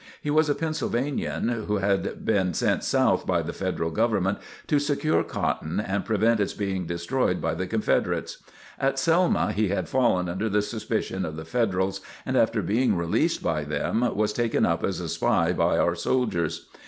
He was a Pennsylvanian, who had been sent South by the Federal government to secure cotton and prevent its being destroyed by the Confederates. At Selma he had fallen under the suspicion of the Federals and after being released by them, was taken up as a spy by our soldiers.